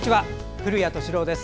古谷敏郎です。